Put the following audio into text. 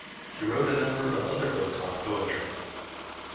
He wrote a number of other books on poetry.